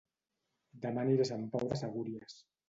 Dema aniré a Sant Pau de Segúries